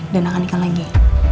dan akan ikat lagi